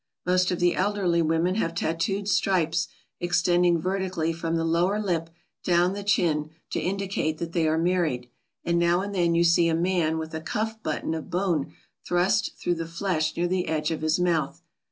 Most of the elderly women have tattooed stripes extending vertically from the lower lip down the chin to indicate that they are married, and now and then you see a man with a cuff button of bone thrust through the flesh near the edge of his mouth.